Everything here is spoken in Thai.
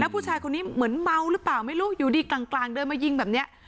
ผู้ชายคนนี้เหมือนเมาหรือเปล่าไม่รู้อยู่ดีกลางเดินมายิงแบบนี้